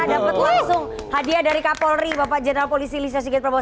dapet langsung hadiah dari kak polri bapak jenderal polisi lisha sigit prabowo